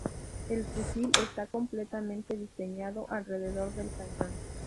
El fusil está completamente diseñado alrededor del cañón.